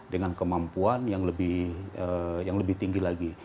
dengan kemampuan yang lebih tinggi lagi